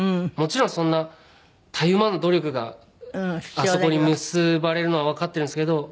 もちろんそんなたゆまぬ努力があそこに結ばれるのはわかってるんですけど。